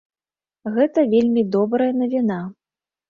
Гэта вельмі добрая навіна.